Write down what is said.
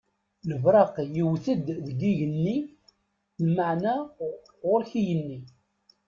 Lebṛaq yewwet-d deg igenni lmeɛna ɣuṛ-k ayenni!